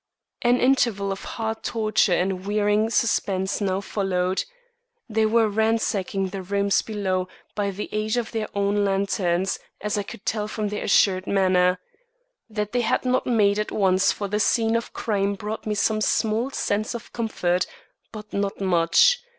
An interval of heart torture and wearing suspense now followed. They were ransacking the rooms below by the aid of their own lanterns, as I could tell from their assured manner. That they had not made at once for the scene of crime brought me some small sense of comfort, but not much.